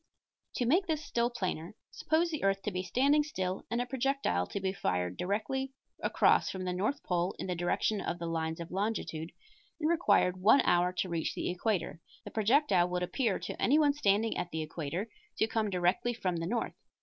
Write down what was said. To make this still plainer, suppose the earth to be standing still and a projectile be fired directly across from the north pole in the direction of the lines of longitude and required one hour to reach the equator, the projectile would appear to anyone standing at the equator to come directly from the north.